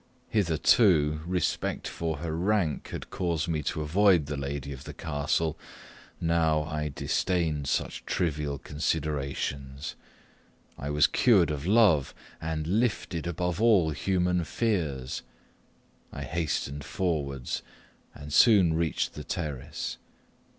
Hitherto, respect for her rank had caused me to avoid the lady of the castle; now I disdained such trivial considerations. I was cured of love, and lifted above all human fears; I hastened forwards, and soon reached the terrace.